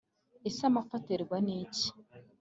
ese amapfa aterwa n’iki’